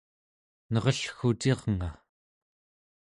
nerellgucirnga